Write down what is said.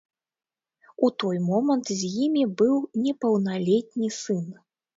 У той момант з ім быў непаўналетні сын.